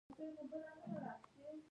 خوړل د کلي دودونه راژوندي کوي